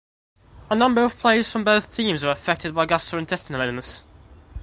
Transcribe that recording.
A number of players from both teams were affected by gastrointestinal illness.